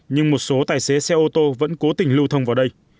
nhưng một số tài xế xe ô tô vẫn cố tình lưu thông vào đây